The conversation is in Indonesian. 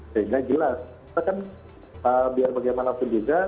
sehingga jelas kita kan biar bagaimanapun juga